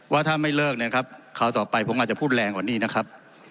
ว่าถ้าไม่เลิกนะครับคราวต่อไปผมอาจจะพูดแรงกว่านี้นะครับ